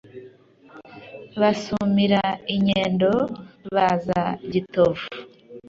Basumira i Nyendo baza Gitovu